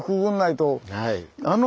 はい。